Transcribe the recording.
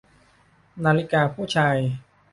นาฬิกาผู้ชาย